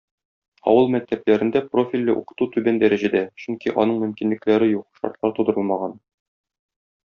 Авыл мәктәпләрендә профильле укыту түбән дәрәҗәдә, чөнки аның мөмкинлекләре юк, шартлар тудырылмаган.